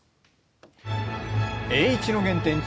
栄一の原点